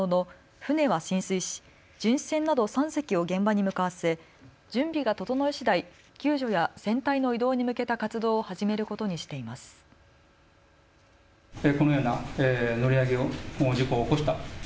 船は浸水し巡視船など３隻を現場に向かわせ準備が整いしだい救助や船体の移動に向けた活動を始めることにしています。